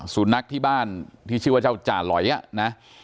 สุนัขที่บ้านที่ชื่อว่าเจ้าจ่าหลอยอ่ะนะ